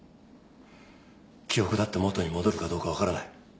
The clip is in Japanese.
記憶だって元に戻るかどうか分からない。